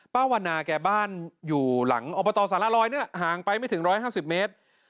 ป้าวันนาแกบ้านอยู่หลังอบตสารลอยนี่แหละห่างไปไม่ถึง๑๕๐เมตร